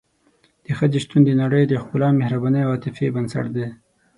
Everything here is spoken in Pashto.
د ښځې شتون د نړۍ د ښکلا، مهربانۍ او عاطفې بنسټ دی.